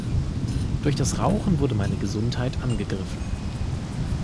Durch das Rauchen wurde meine Gesundheit angegriffen.